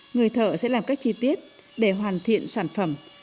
người thợ sẽ làm cách chi tiết để hoàn thiện sản phẩm